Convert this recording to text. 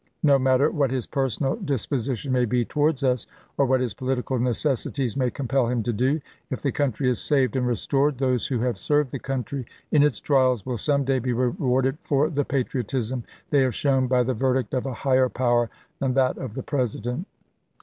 No matter what his personal disposition may be towards us, or what his political necessities may compel him to do, if the country is saved and restored, those who have F'£*.,Btoair' served the country in its trials will some day be re F'septB1S,r' warded for the patriotism they have shown by the ms! verdict of a higher power than that of the President."